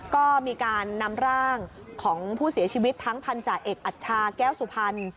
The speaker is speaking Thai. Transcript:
ก็มีการนำร่างของผู้เสียชีวิตทั้งพันธาเอกอัชชาแก้วสุพรรณ